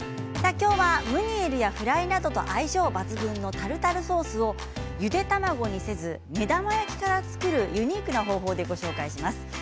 今日はムニエルやフライなどと相性抜群のタルタルソースをゆで卵にせず目玉焼きから作るユニークな方法でご紹介します。